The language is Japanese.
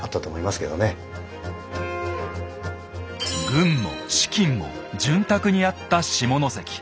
軍も資金も潤沢にあった下関。